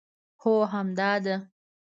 هو همدا ده